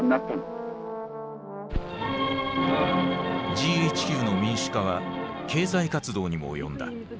ＧＨＱの民主化は経済活動にも及んだ。